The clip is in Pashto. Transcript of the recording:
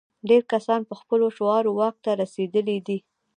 ډېری کسان په ښکلو شعارونو واک ته رسېدلي دي.